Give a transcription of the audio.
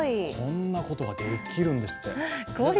こんなことができるんですって。